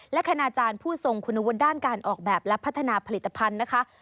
และคณาจารย์ผู้ทรงคุณวุฒิด้านการออกแบบและพัฒนาผลิตภัณฑ์นะคะ